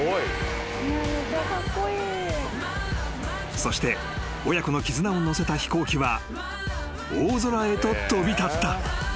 ［そして親子の絆を乗せた飛行機は大空へと飛び立った］